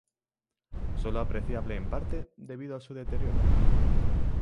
Sólo apreciable en parte, debido a su deterioro.